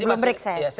sebelum break saya